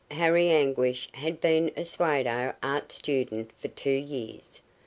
Harry Anguish had been a pseudo art student for two years.